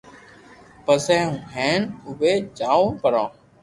پسو ھين ايوي جاوو پرو